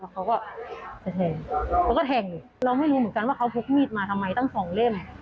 แล้วเขาก็ยัดแทงแล้วก็แทงอยู่เราไม่รู้เหมือนกันว่าเขาพพลุกมีดมาทำไมตั้ง๒เหล่ม